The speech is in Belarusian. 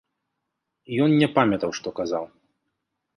Ён не памятаў, што казаў.